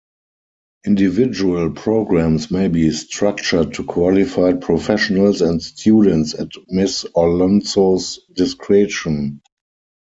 Individual programs may be structured to qualified professionals and students at Ms. Alonso's discretion.